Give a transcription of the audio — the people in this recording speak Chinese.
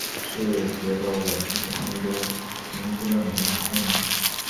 是觉得我称王益州名不正言不顺吗？